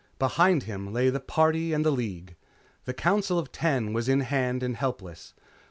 Behind him lay the Party and the League. The Council of Ten was in hand and helpless.